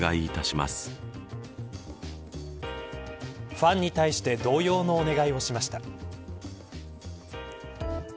ファンに対して同様のお願いをしました。